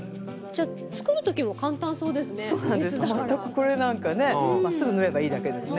これなんかねまっすぐ縫えばいいだけですね。